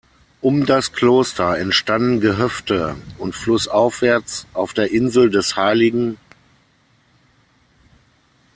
Um das Kloster entstanden Gehöfte und flussaufwärts auf der Insel des hl.